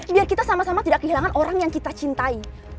biar kita sama sama tidak kehilangan orang yang kita cintai